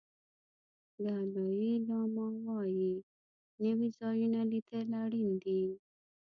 دالای لاما وایي نوي ځایونه لیدل اړین دي.